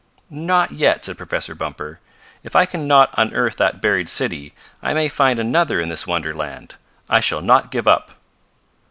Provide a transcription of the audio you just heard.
"Not yet," said Professor Bumper. "If I can not unearth that buried city I may find another in this wonderland. I shall not give up."